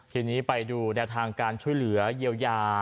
ทีนี้ไปดูแนวทางการช่วยเหลือเยียวยา